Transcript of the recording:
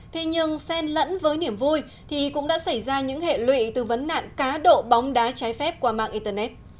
thế nhưng sen lẫn với niềm vui thì cũng đã xảy ra những hệ lụy từ vấn nạn cá độ bóng đá trái phép qua mạng internet